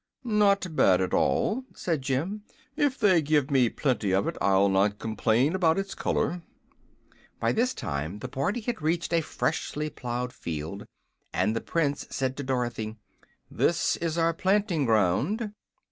"Not bad at all," said Jim. "If they give me plenty of it I'll not complain about its color." By this time the party had reached a freshly plowed field, and the Prince said to Dorothy: "This is our planting ground."